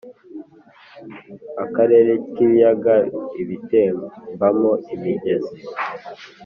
akarere k’ibibaya bitembamo imigezi. “